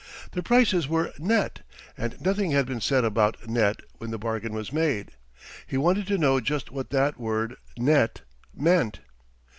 The prices were "net," and nothing had been said about "net" when the bargain was made. He wanted to know just what that word "net" meant.